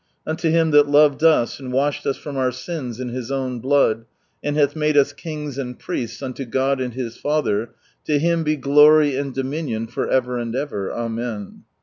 Unto Him that loved us, and washed us from our sins in His own blood ; and hath made us kings and priests unto God and His Father, to Him be glory and dominion for ever and ever ! Amen.